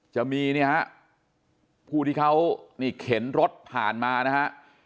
จะมีเนี่ยฮะผู้ที่เขานี่เข็นรถผ่านมานะฮะ